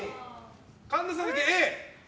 神田さんだけＡ。